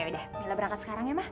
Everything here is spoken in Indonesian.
yaudah mila berangkat sekarang ya ma